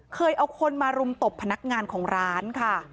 เคยเอาคนมารุมตบพนักงานของร้านค่ะ